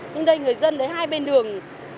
nhưng đây người dân thấy hai bên đường